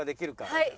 はい。